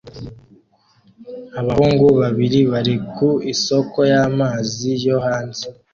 Abahungu babiri bari ku isoko y'amazi yo hanze